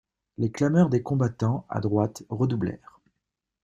Les clameurs des combattants, à droite, redoublèrent.